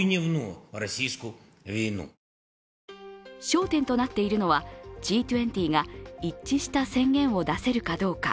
焦点となっているのは、Ｇ２０が一致した宣言を出せるかどうか。